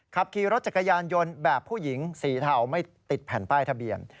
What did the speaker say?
ขับขี่รถจักรยานยนต์แบบผู้หญิงสีเทาไม่ติดแผ่นป้ายทะเบียน